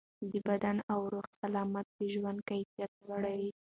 د بدن او روح سالمیت د ژوند کیفیت لوړوي.